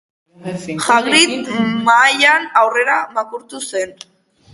Hagrid mahaian aurrera makurtu zen.